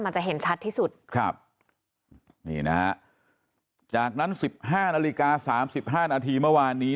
จะเห็นชัดที่สุดครับนี่นะฮะจากนั้นสิบห้านาฬิกาสามสิบห้านาทีเมื่อวานนี้